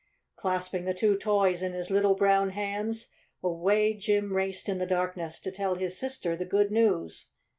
Clasping the two toys in his little brown hands, away Jim raced in the darkness to tell his sister the good news.